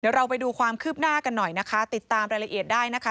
เราไปดูความคืบหน้ากันหน่อยนะคะติดตามรายละเอียดได้นะคะ